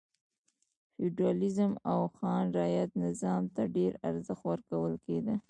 فیوډالېزم او خان رعیت نظام ته ډېر ارزښت ورکول کېده.